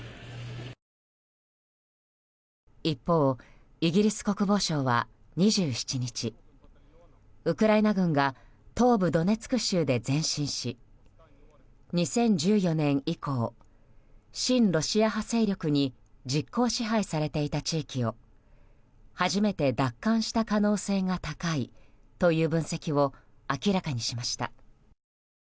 一方、イギリス国防省は２７日ウクライナ軍が東部ドネツク州で前進し２０１４年以降親ロシア派勢力に実効支配されていた地域を初めて奪還した可能性が高いという分析を明らかにしました。